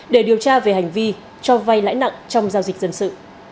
để điều tra về hành vi cho vay lãi nặng trong giao dịch dân sự